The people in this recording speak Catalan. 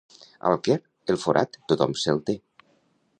Al Quer, el forat tothom se'l té.